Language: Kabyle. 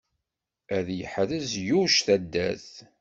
Ad yeḥrez Yuc taddart!